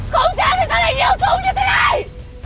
không chết thì sao lại níu súng như thế này